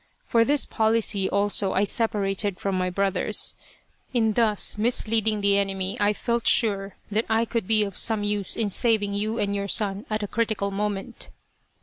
For this policy also I separated from my brothers. In thus misleading the enemy I felt sure that I could be of some use in saving you and your son at a critical moment.